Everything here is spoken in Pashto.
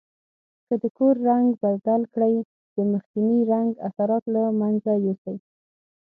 که د کور رنګ بدل کړئ د مخکني رنګ اثرات له منځه یوسئ.